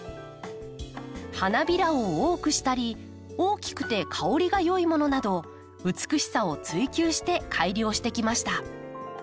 花びらを多くしたり大きくて香りが良いものなど美しさを追究して改良してきました。